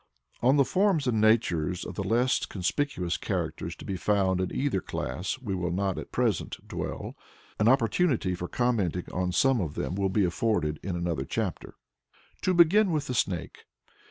On the forms and natures of the less conspicuous characters to be found in either class we will not at present dwell. An opportunity for commenting on some of them will be afforded in another chapter. To begin with the Snake.